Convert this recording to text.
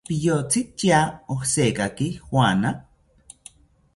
¿Piyotzi tya ojekaki juana?